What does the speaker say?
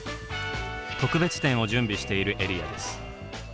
特別展を準備しているエリアです。